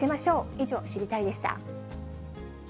以上、知りたいッ！でした。